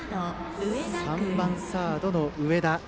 ３番サードの上田。